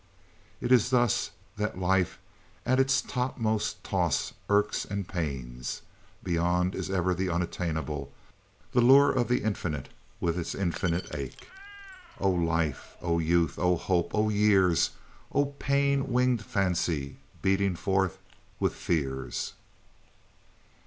It is thus that life at its topmost toss irks and pains. Beyond is ever the unattainable, the lure of the infinite with its infinite ache. "Oh, life! oh, youth! oh, hope! oh, years! Oh pain winged fancy, beating forth with fears."